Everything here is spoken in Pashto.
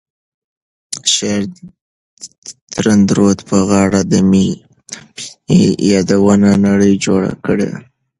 شاعر د ترنګ رود په غاړه د مینې د یادونو نړۍ جوړه کړې ده.